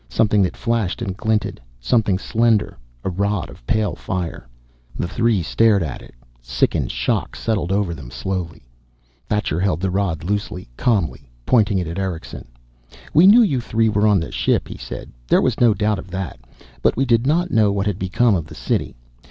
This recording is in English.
Something that flashed and glinted, something slender. A rod of pale fire. The three stared at it. Sickened shock settled over them slowly. Thacher held the rod loosely, calmly, pointing it at Erickson. "We knew you three were on this ship," he said. "There was no doubt of that. But we did not know what had become of the City.